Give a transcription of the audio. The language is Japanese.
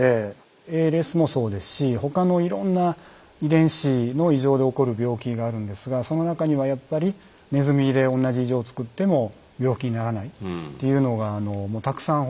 ＡＬＳもそうですし他のいろんな遺伝子の異常で起こる病気があるんですがその中にはやっぱりネズミで同じ異常をつくっても病気にならないというのがたくさん報告されています。